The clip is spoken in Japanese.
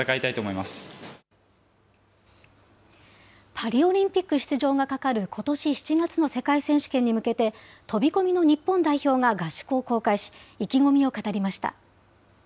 パリオリンピック出場がかかることし７月の世界選手権に向けて、飛び込みの日本代表が合宿を公開し、意気込みを語りました。